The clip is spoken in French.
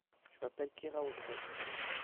Je m'appelle Keraotred.